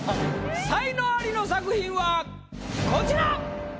才能アリの作品はこちら！